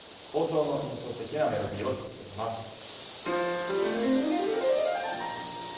冒頭の印象的なメロディーを弾いてみます。